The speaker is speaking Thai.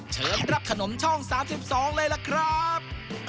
เชิญรับขนมช่อง๓๒เลยล่ะครับ